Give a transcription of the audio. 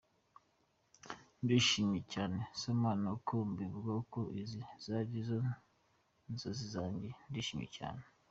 ndishimye cyane sinabona uko mbivuga kuko izi zari inzozi zanjye, ndishimye cyane.